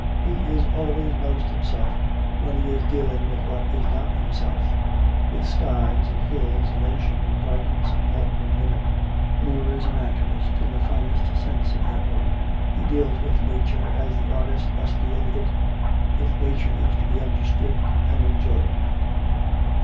He is always most himself when he is dealing with what is not himself with skies and hills and ocean and gardens and men and women. Moore is a naturalist in the finest sense of that word. He deals with nature as the artist must deal with it if nature is to be understood and enjoyed.